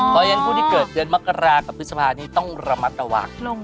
เพราะฉะนั้นผู้ที่เกิดเดือนมกรากับพฤษภานี้ต้องระมัดระวัง